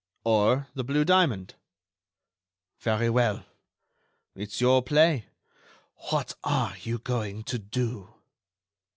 "Or the blue diamond." "Very well. It's your play. What are you going to do?"